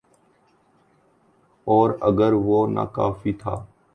اوراگر وہ ناکافی تھا۔